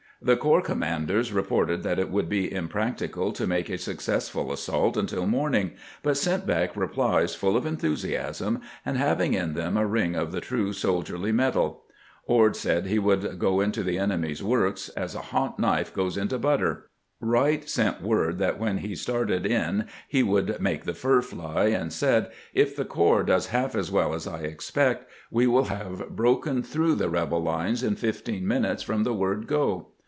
The corps command ers reported that it would be impracticable to make a successful assault until morning, but sent back replies full of enthusiasm, and having in them a ring of the true soldierly metal. Ord said he would go into the enemy's works "as a hot knife goes into butter." Wright sent word that when he started in he would " make the fur fly," and said :" If the corps does half as well as I expect, we will have broken through the rebel lines in fifteen minutes from the word 'go.'"